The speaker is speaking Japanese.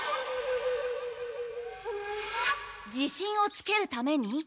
自信をつけるために？